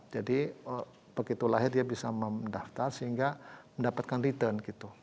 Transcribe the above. jadi begitu lahir dia bisa mendaftar sehingga mendapatkan return gitu